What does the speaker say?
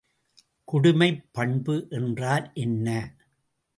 குடிமைப் பண்பு என்றால் என்ன?